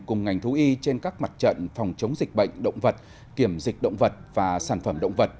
cùng ngành thú y trên các mặt trận phòng chống dịch bệnh động vật kiểm dịch động vật và sản phẩm động vật